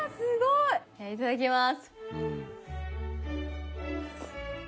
いただきます。